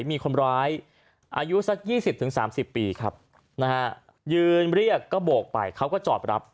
มีคนร้ายอายุสัก๒๐๓๐ปีครับนะฮะยืนเรียกก็โบกไปเขาก็จอดรับ